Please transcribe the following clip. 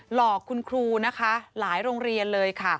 หลอกคุณครูนะคะหลายโรงเรียนเลยค่ะ